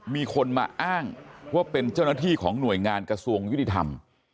มีคนมาอ้างว่าเป็นเจ้าหน้าที่ของหน่วยงานกระทรวงยุติธรรม